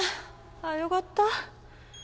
あっよかった。